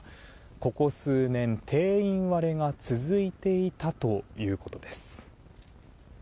ここ数年、定員割れが続いていたということです。